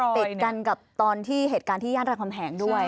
ติดกันกับตอนที่เหตุการณ์ที่ย่านรามคำแหงด้วย